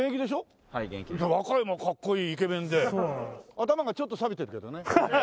頭がちょっとさびてるけどね。